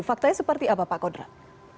faktanya seperti apa pak kodrat